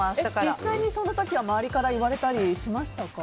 実際にその時は、周りから言われたりしましたか？